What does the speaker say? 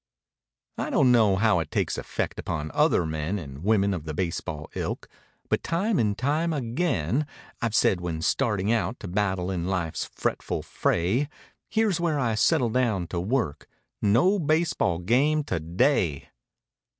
I don't know how it takes effect upon the other men And women of the baseball ilk, but time and time again I've said when starting out to battle in life's fretful fray— Here's where I settle down to work, no baseball game today!